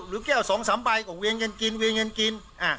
หรือแก้วสองสามใบเวียนกันกินเวียนกันกิน